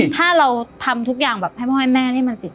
ถ้าเราทำทุกอย่างแบบให้พ่อให้แม่ให้มันสิทธิ์